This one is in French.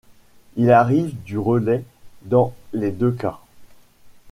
Il arrive du relais dans les deux cas.